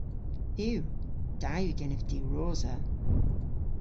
Yw. Da yw genev diwrosa.